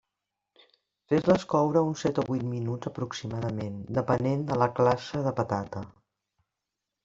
Feu-les coure uns set o vuit minuts aproximadament, depenent de la classe de patata.